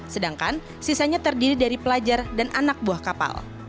sedangkan sisanya terdiri dari pelajar dan anak buah kapal